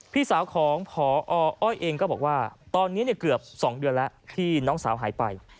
พี่สาวของพออ้อยเองก็บอกว่าตอนนี้เกือบ๒เดือนแล้วที่น้องสาวหายไป